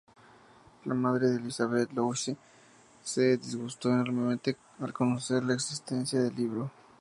La madre de Elizabeth, Louise, se disgustó enormemente al conocer la existencia del libro.